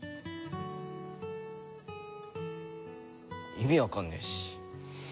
意味わかんねえし。